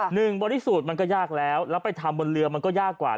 บริสุทธิ์มันก็ยากแล้วแล้วไปทำบนเรือมันก็ยากกว่า